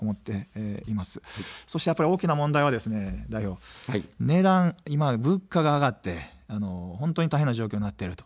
そして大きな問題は代表、値段、物価が上がって、大変な状況になっている。